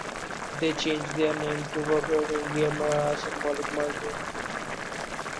They changed their name to Verbroedering Geel-Meerhout, a symbolic merger.